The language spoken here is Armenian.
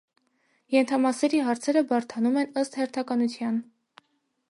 Ենթամասերի հարցերը բարդանում են ըստ հերթականության։